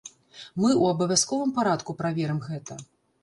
Мы ў абавязковым парадку праверым гэта.